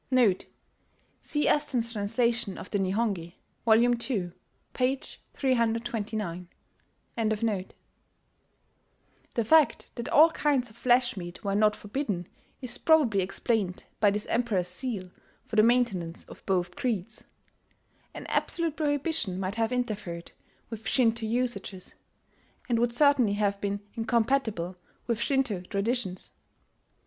* [*See Aston's translation of the Nihongi, Vol. II, p. 329.] The fact that all kinds of flesh meat were not forbidden is probably explained by this Emperor's zeal for the maintenance of both creeds; an absolute prohibition might have interfered with Shinto usages, and would certainly have been incompatible with Shinto traditions.